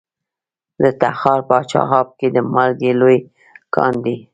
د تخار په چاه اب کې د مالګې لوی کان دی.